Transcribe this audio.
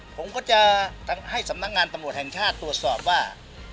ผมก็จะให้สำนักงานตำรวจแห่งชาติตรวจสอบว่า